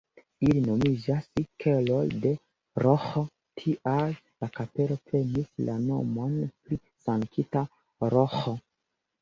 Ili nomiĝas keloj de Roĥo, tial la kapelo prenis la nomon pri Sankta Roĥo.